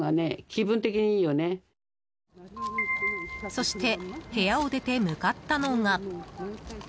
そして、部屋を出て向かったのが。